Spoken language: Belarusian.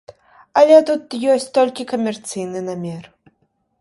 Але тут ёсць толькі камерцыйны намер.